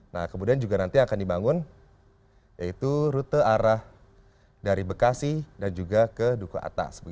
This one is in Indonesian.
nah kemudian juga nanti akan dibangun yaitu rute arah dari bekasi dan juga ke duku atas